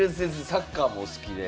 サッカーもお好きで。